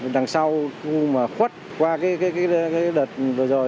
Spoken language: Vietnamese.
đằng sau khuất qua cái đợt vừa rồi